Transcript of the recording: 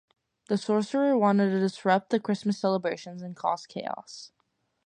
The sorcerer wanted to disrupt the Christmas celebrations and cause chaos.